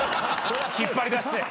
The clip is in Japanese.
引っ張り出して。